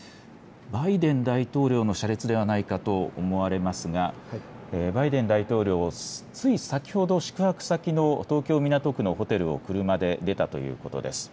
バイデン大統領の車列ではないかと思われますが、バイデン大統領、つい先ほど、宿泊先の東京・港区のホテルを車で出たということです。